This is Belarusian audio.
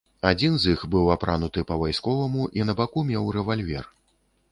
Адзін з іх быў апрануты па-вайсковаму і на баку меў рэвальвер.